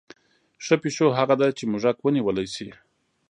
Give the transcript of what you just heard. ښه پیشو هغه ده چې موږک ونیولی شي.